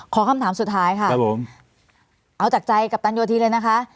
คำถามสุดท้ายค่ะครับผมเอาจากใจกัปตันโยธีเลยนะคะ